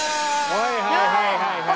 はいはいはいはいはい。